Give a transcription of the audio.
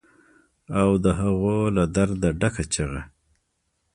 او د هغو له درده ډکه چیغه